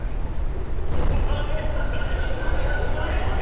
お前もか！